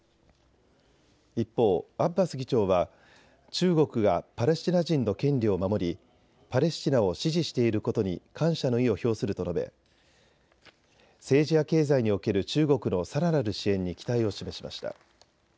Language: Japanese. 一方、アッバス議長は中国がパレスチナ人の権利を守りパレスチナを支持していることに感謝の意を表すると述べ、政治や経済における中国のさらなる支援に期待を示しました。